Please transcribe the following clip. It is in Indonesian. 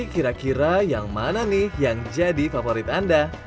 kira kira yang mana nih yang jadi favorit anda